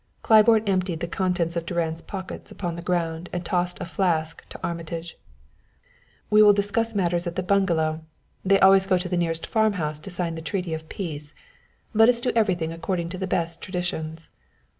Claiborne emptied the contents of Durand's pockets upon the ground and tossed a flask to Armitage. "We will discuss matters at the bungalow. They always go to the nearest farm house to sign the treaty of peace. Let us do everything according to the best traditions."